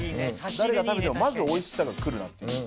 誰が食べてもまずおいしさが来るなっていう。